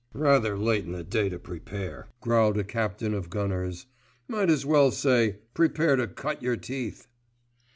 "Rather late in the day to prepare," growled a captain of gunners. "Might as well say 'Prepare to cut your teeth.